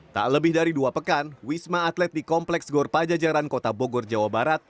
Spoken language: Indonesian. tak lebih dari dua pekan wisma atlet di kompleks gor pajajaran kota bogor jawa barat